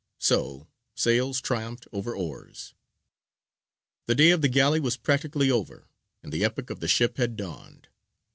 So sails triumphed over oars. The day of the galley was practically over, and the epoch of the ship had dawned.